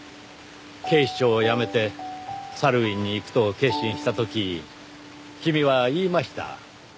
警視庁を辞めてサルウィンに行くと決心した時君は言いました。